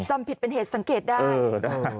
จำผิดเป็นเหตุสังเกตได้